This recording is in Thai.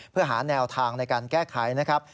เพื่อหาแนวทางในการแก้ไขนะครับ